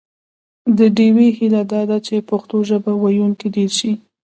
د ډیوې هیله دا ده چې پښتو ژبه ویونکي ډېر شي